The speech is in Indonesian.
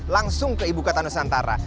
langsung ke ibu kota nusantara